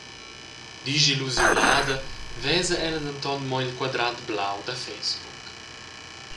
Disillusiunanda vesa ella denton mo il quadrat blau da facebook.